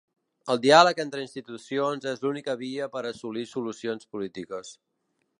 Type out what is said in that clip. El diàleg entre institucions és l'única via per assolir solucions polítiques.